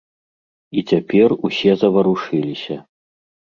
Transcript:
І цяпер усе заварушыліся.